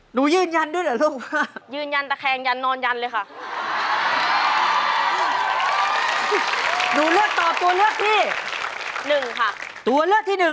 หนูเลือกตอบตัวเลือกที่